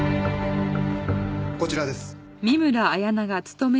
こちらです。